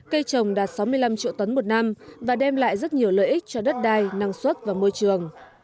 cây trồng đạt sáu mươi năm triệu tấn một năm và đem lại rất nhiều lợi ích cho đất đai năng suất và môi trường